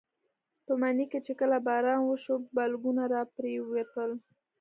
په مني کې چې کله باران وشو بلګونه راپرېوتل.